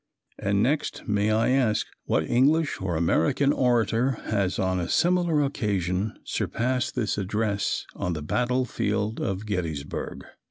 and next may I ask, "What English or American orator has on a similar occasion surpassed this address on the battlefield of Gettysburg?"